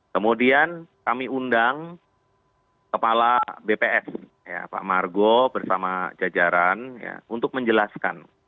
kemudian kami undang kepala bps pak margo bersama jajaran untuk menjelaskan